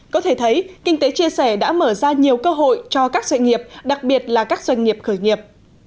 có thể thấy kinh tế chia sẻ đã mở ra nhiều cơ hội cho các doanh nghiệp đặc biệt là các doanh nghiệp khởi nghiệp